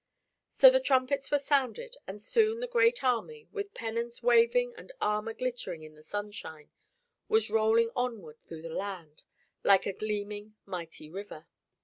So the trumpets were sounded, and soon the great army, with pennons waving and armor glittering in the sunshine, was rolling onward through the land, like a gleaming mighty river.